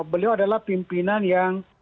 beliau adalah pimpinan yang